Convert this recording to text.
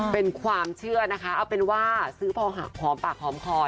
เป็นความเชื่อนะคะเอาเป็นว่าซื้อพอหักหอมปากหอมคอ